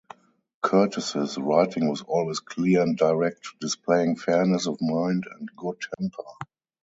Curtis's writing was always clear and direct, displaying fairness of mind and good temper.